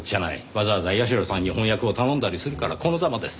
わざわざ社さんに翻訳を頼んだりするからこのざまです。